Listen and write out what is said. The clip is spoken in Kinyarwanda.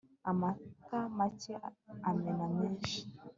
amata make amena menshi